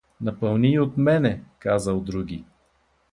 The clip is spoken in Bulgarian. Напълни и от мене — казал други.